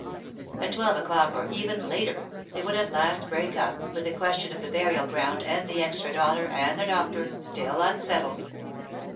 At twelve o'clock or even later they would at last break up with the question of the burial ground and the extra dollar and the doctor still unsettled.